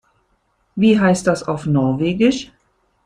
Was heißt das auf Norwegisch?